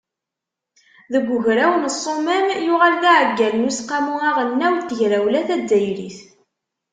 Deg ugraw n Ṣṣumam yuɣal d aɛeggal n Useqqamu Aɣelnaw n Tegrawla Tazzayrit.